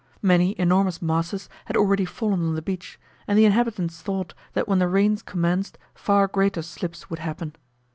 Many enormous masses had already fallen on the beach; and the inhabitants thought that when the rains commenced far greater slips would happen.